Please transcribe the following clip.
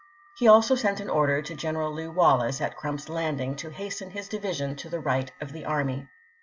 He also sent an order to General Lew. Wallace, at Crump's Landing, to hasten his division to the right of the army.